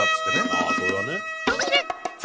ああそれはね。